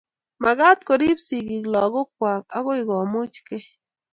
mekat koriib sigiik lagok kwak agoi komuch gei